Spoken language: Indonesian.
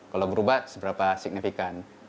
kalau berubah seberapa signifikan